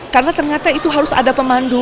karena ternyata itu harus ada pemerintah